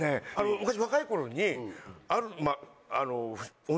昔若い頃にある。